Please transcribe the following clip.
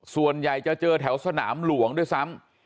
ส่วนใหญ่จะเจอแถวสนามหลวงด้วยซ้ำ